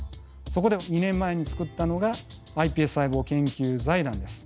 そこで２年前に作ったのがｉＰＳ細胞研究財団です。